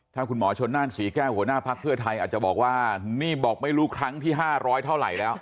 ถ้าคุณหมอชนนั่นศรีแก้วหัวหน้าภักดิ์เพื่อไทยอาจจะบอกว่านี่บอกไม่รู้ครั้งที่๕๐๐เท่าไหร่แล้ว